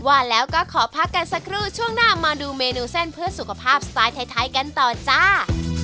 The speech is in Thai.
ว่าแล้วก็ขอพักกันสักครู่ช่วงหน้ามาดูเมนูเส้นเพื่อสุขภาพสไตล์ไทยกันต่อจ้า